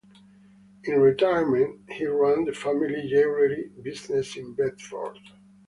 In retirement, he ran the family jewellery business in Bedford.